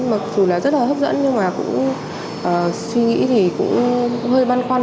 mặc dù là rất là hấp dẫn nhưng mà cũng suy nghĩ thì cũng hơi băn khoăn